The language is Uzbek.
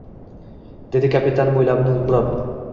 dedi kapitan mo`ylabini burab